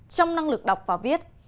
trong năng lực đọc và viết